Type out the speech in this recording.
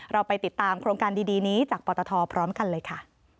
เราไปติดตามโครงการดีนี้จากปตทพร้อมกันเลยค่ะ